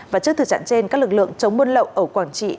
và trước thực trạng trên các lực lượng chống buôn lậu ở quảng trị